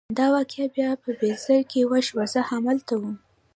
دا واقعه بیا په بیزر کې وشوه، زه همالته وم.